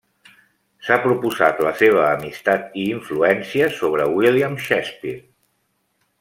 S'ha proposat la seva amistat i influència sobre William Shakespeare.